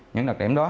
những đặc điểm đó